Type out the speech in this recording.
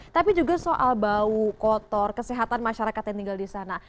tapi juga soal bau kotor kesehatan masyarakat yang tinggal di sana